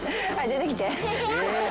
出てきて。